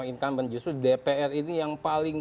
incumbent justru dpr ini yang paling